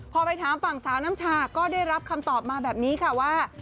พอไปถามฝั่งสาวน้ำชาก็ได้รับคำตอบมาแบบนี้ค่ะว่า